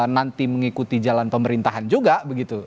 nanti mengikuti jalan pemerintahan juga begitu